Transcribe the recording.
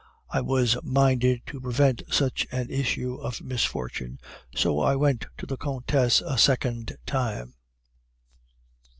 I was minded to prevent such a tissue of misfortune, so I went to the Countess a second time.